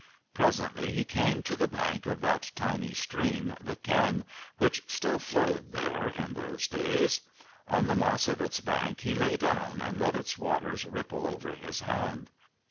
Presently he came to the bank of that tiny stream, the Ken, which still flowed there in those days. On the moss of its bank he lay down and let its water ripple over his hand.